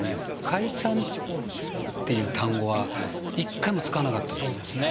解散っていう単語は一回も使わなかったんです。